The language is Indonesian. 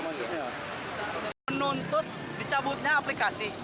menuntut dicabutnya aplikasi